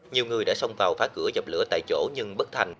nhiều người đã xông vào phá cửa dập lửa tại chỗ nhưng bất thành